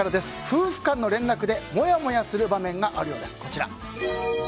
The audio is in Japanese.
夫婦間の連絡でモヤモヤする場面があるようです。